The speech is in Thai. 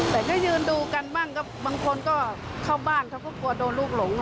แต่ถ้ายืนดูกันบ้างก็บางคนก็เข้าบ้านเขาก็กลัวโดนลูกหลง